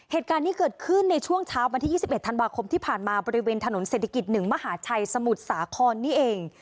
เหตุการณ์นี้เกิดขึ้นในช่วงเช้าวันที่๒๑ธันวาคมที่ผ่านมาบริเวณถนนเศรษฐกิจ๑มหาชัยสมุทรสาครนี่เอง